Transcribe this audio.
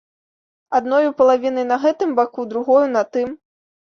Адною палавінай на гэтым баку, другою на тым.